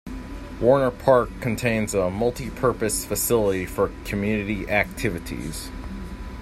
Warner Park contains a multi-purpose facility for community activities.